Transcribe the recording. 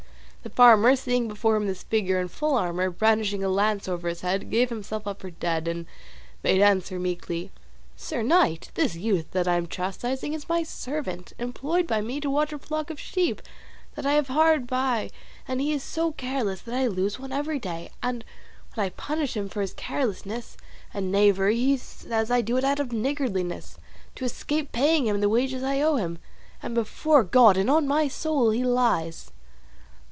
The farmer, seeing before him this figure in full armour brandishing a lance over his head, gave himself up for dead, and made answer meekly, "Sir Knight, this youth that I am chastising is my servant, employed by me to watch a flock of sheep that I have hard by, and he is so careless that I lose one every day, and when I punish him for his carelessness and knavery he says I do it out of niggardliness, to escape paying him the wages I owe him, and before God, and on my soul, he lies."